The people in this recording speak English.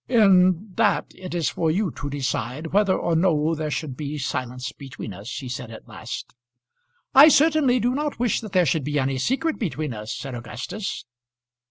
"In that it is for you to decide whether or no there should be silence between us," he said at last. "I certainly do not wish that there should be any secret between us," said Augustus.